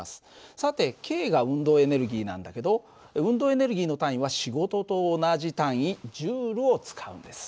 さてＫが運動エネルギーなんだけど運動エネルギーの単位は仕事と同じ単位Ｊを使うんです。